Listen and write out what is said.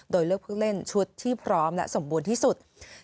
โดยเลือกผู้เล่นชุดที่พร้อมและสมบูรณ์ที่สุด